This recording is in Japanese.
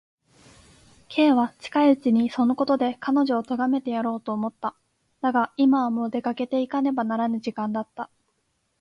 Ｋ は近いうちにそのことで彼女をとがめてやろうと思った。だが、今はもう出かけていかねばならぬ時間だった。